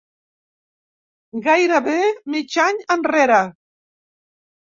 Gairebé mig any enrere.